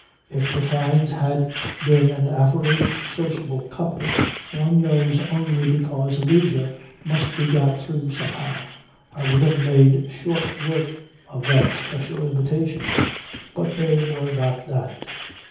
If the Fynes had been an average sociable couple one knows only because leisure must be got through somehow, I would have made short work of that special invitation. But they were not that.